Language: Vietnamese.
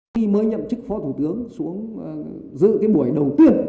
khi mới nhậm chức phó thủ tướng xuống dự cái buổi đầu tiên